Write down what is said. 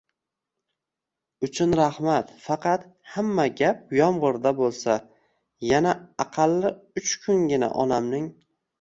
uchun rahmat. Faqat... Hamma gap yomg'irda bo'lsa, yana aqalli uch kungina onamning